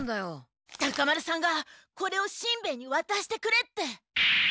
タカ丸さんがこれをしんべヱにわたしてくれって。